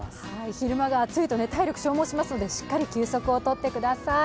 昼間が暑いと体力を消耗しますので、しっかり休息を取ってください。